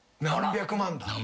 何百万だ。